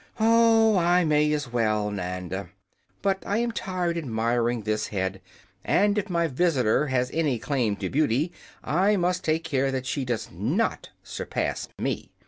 "Oh, I may as well, Nanda. But I am tired admiring this head, and if my visitor has any claim to beauty I must take care that she does not surpass me.